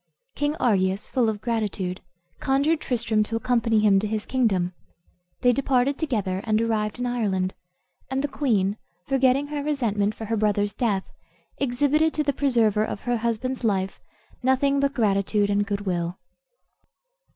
King Argius, full of gratitude, conjured Tristram to accompany him to his kingdom. They departed together, and arrived in Ireland; and the queen, forgetting her resentment for her brother's death, exhibited to the preserver of her husband's life nothing but gratitude and good will.